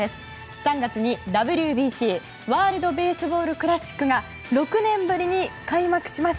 ３月にＷＢＣ・ワールド・ベースボール・クラシックが６年ぶりに開幕します。